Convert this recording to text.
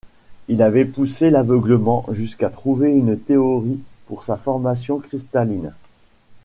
Il avait poussé l’aveuglement jusqu’à trouver une théorie pour sa formation cristalline!...